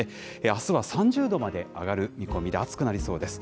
あすは３０度まで上がる見込みで、暑くなりそうです。